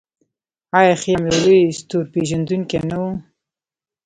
آیا خیام یو لوی ستورپیژندونکی نه و؟